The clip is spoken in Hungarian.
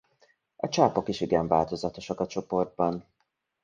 A csápok is igen változatosak a csoportban.